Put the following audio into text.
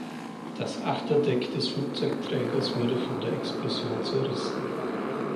Das Achterdeck des Flugzeugträgers wurde von der Explosion zerrissen.